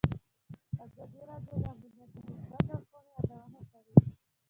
ازادي راډیو د امنیت د مثبتو اړخونو یادونه کړې.